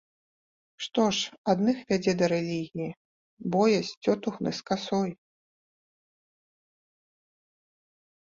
Што ж, адных вядзе да рэлігіі боязь цётухны з касой.